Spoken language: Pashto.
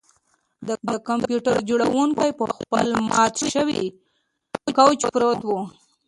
د کمپیوټر جوړونکی په خپل مات شوي کوچ پروت و